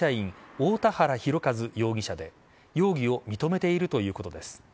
大田原広和容疑者で容疑を認めているということです。